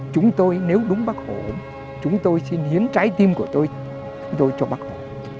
chúng tôi nếu đúng bác hộ chúng tôi xin hiến trái tim của tôi chúng tôi cho bác hộ